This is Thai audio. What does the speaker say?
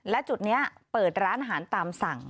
และจุดนี้เปิดร้านอาหารตามสั่ง